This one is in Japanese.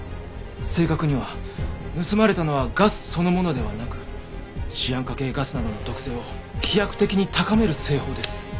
正確には盗まれたのはガスそのものではなくシアン化系ガスなどの毒性を飛躍的に高める製法です。